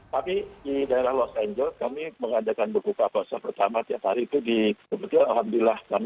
tapi di daerah los angele kami mengadakan buka puasa pertama tiap hari itu di kebetulan alhamdulillah kami